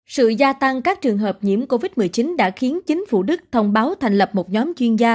sự gia tăng các trường hợp nhiễm covid một mươi chín đã khiến chính phủ đức thông báo thành lập một nhóm chuyên gia